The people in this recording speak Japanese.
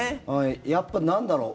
やっぱ、なんだろう